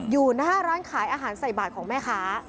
อยู่หน้าร้านขายอาหารใส่บาทของแม่ค้า